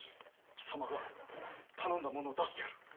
貴様が頼んだものを出してやる。